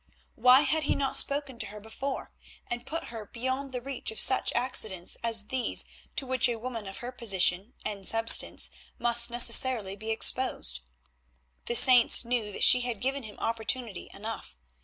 Why had he not spoken to her before, and put her beyond the reach of such accidents as these to which a woman of her position and substance must necessarily be exposed? The saints knew that she had given him opportunity enough.